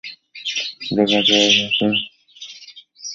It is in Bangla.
জাকারিয়ার হাতের ফুলগুলি রাস্তায় পড়ে যাচ্ছে।